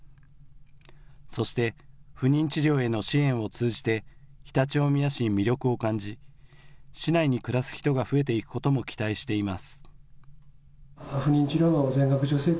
そして不妊治療への支援を通じて常陸大宮市に魅力を感じ市内に暮らす人が増えていくことも期待しています。